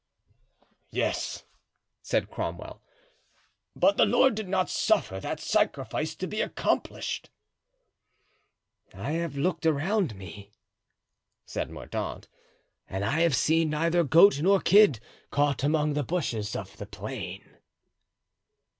"Yes," said Cromwell, "but the Lord did not suffer that sacrifice to be accomplished." "I have looked around me," said Mordaunt, "and I have seen neither goat nor kid caught among the bushes of the plain."